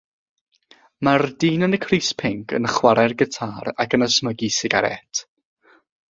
Mae'r dyn yn y crys pinc yn chwarae'r gitâr ac yn ysmygu sigarét.